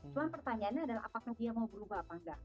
cuma pertanyaannya adalah apakah dia mau berubah atau tidak